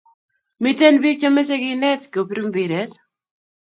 Miten pik che mache kinet kopir mpiret